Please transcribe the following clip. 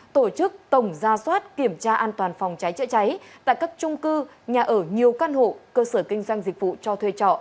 tổ chức tổng gia soát kiểm tra an toàn phòng cháy chữa cháy tại các trung cư nhà ở nhiều căn hộ cơ sở kinh doanh dịch vụ cho thuê trọ